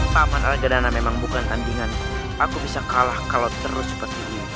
taman algedana memang bukan tandingan aku bisa kalah kalau terus seperti ini